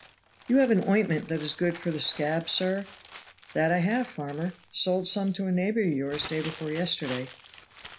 "You have an ointment that is good for the scab, sir?" "That I have, farmer. Sold some to a neighbor of yours day before yesterday."